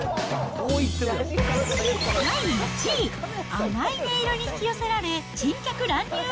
第１位、甘い音色に引き寄せられ珍客乱入！